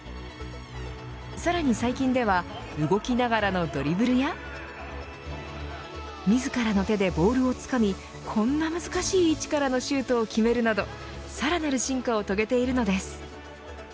さらに最近では動きながらのドリブルや自らの手でボールをつかみこんな難しい位置からのシュートを決めるなどさらなる進化を遂げているのです。